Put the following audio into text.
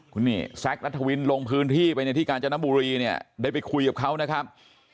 คุณนี่แซคนัทวินลงพื้นที่ไปเนี่ยที่กาญจนบุรีเนี่ยได้ไปคุยกับเขานะครับ